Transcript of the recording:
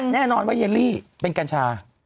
แต่อันนี้แน่นอนว่าเยลลี่เป็นกัญชา